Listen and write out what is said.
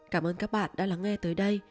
cảm ơn các bạn đã lắng nghe tới đây